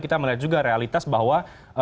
kita melihat juga realitas bahwa